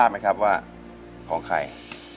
และถ้าต้นฉบับพอที่ของใครค่ะ